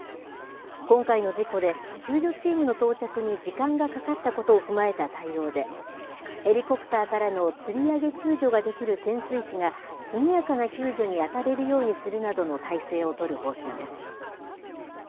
今回の事故で、救助チームの到着に時間がかかったことを踏まえた対応で、ヘリコプターからのつり上げ救助ができる潜水士が、速やかな救助に当たれるようにするなどの態勢を取る方針です。